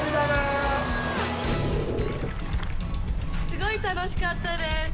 すごい楽しかったです。